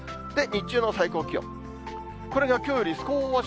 日中の最高気温。